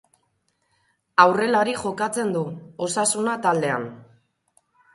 Aurrelari jokatzen du, Osasuna taldean.